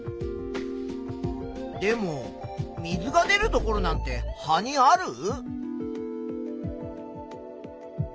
でも水が出るところなんて葉にある？